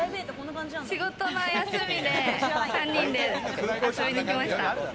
仕事の休みで３人で遊びに来ました。